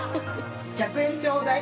１００円ちょうだい。